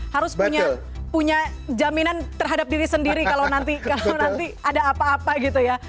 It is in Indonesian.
harus punya jaminan terhadap diri sendiri kalau nanti ada apa apa gitu ya